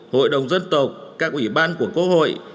hội đồng dân tộc các ủy ban của quốc hội